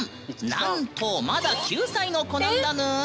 なんとまだ９歳の子なんだぬん。